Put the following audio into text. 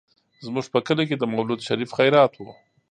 زموږ په کلي کې د مولود شريف خيرات و.